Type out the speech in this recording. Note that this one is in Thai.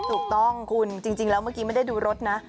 ถูกต้องคุณจริงแล้วเมื่อกี้ไม่ได้ดูรถนะ